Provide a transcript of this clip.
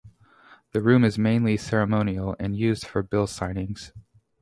The room is mainly ceremonial and used for bill signings.